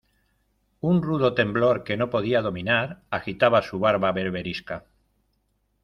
un rudo temblor que no podía dominar agitaba su barba berberisca.